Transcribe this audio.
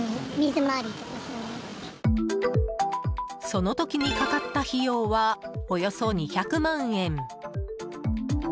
その時にかかった費用はおよそ２００万円。